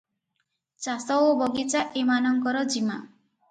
ଚାଷ ଓ ବଗିଚା ଏମାନଙ୍କର ଜିମା ।